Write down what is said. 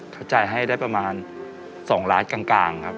เขาจ่ายให้ได้ประมาณ๒ล้านกลางครับ